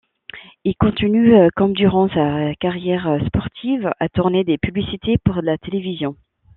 Il continue, comme durant sa carrière sportive, à tourner des publicités pour la télévision.